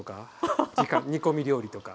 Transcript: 煮込み料理とか。